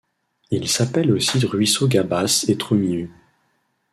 Il s'appelle aussi ruisseau Gabas et Troumiu.